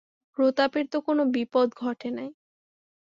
প্রতাপের তো কোন বিপদ ঘটে নাই।